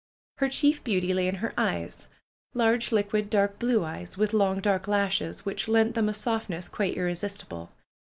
Her chief beauty lay in her eyes — ^large, liquid, dark blue eyes, with long dark lashes, which lent them a softness quite irresistible.